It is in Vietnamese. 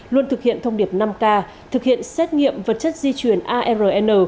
luôn thực hiện thông điệp năm k thực hiện xét nghiệm vật chất di chuyển arn